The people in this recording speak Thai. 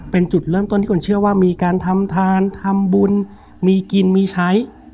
เป็นจุดเริ่มต้นที่คนเชื่อว่ามีการทำทานทำบุญมีกินมีใช้